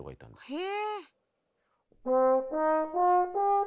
へえ！